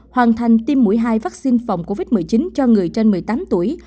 hoàn thành tiêm mũi hai vaccine phòng covid một mươi chín cho người trên một mươi tám tuổi